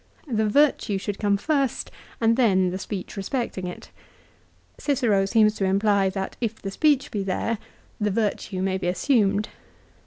The virtue should come first, and then the speech respecting it. Cicero seems to imply that if the speech be there, the virtue may be assumed.